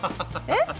えっ！